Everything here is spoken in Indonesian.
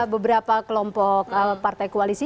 beberapa kelompok partai koalisi